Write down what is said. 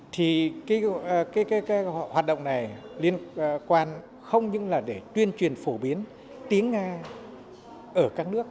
thì cái hoạt động này liên quan không những là để tuyên truyền phổ biến tiếng nga